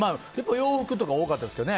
洋服とか多かったですけどね。